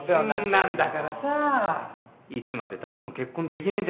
そんなんだからさいつまでたっても結婚できないんじゃねえの？